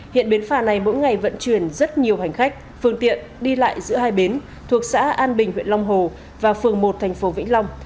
hiện bến phà này mỗi ngày vận chuyển rất nhiều hành khách phương tiện đi lại giữa hai bến thuộc xã an bình huyện long hồ và phường một thành phố vĩnh long